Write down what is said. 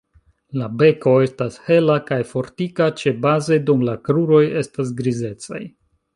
La beko estas hela kaj fortika ĉebaze dum la kruroj estas grizecaj.